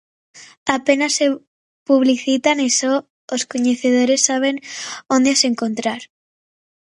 Apenas se publicitan e só os coñecedores saben onde as encontrar.